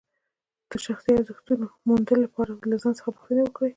د شخصي ارزښتونو موندلو لپاره له ځان څخه پوښتنې وکړئ.